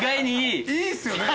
いいっすよね。